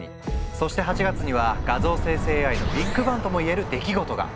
そして８月には画像生成ＡＩのビッグバンとも言える出来事が！